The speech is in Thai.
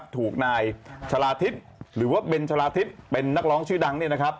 ถูกนายชะลาทิศหรือว่าเบนชะลาทิศเป็นนักร้องชื่อดัง